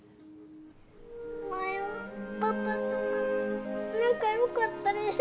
前はパパとママ仲良かったでしょ。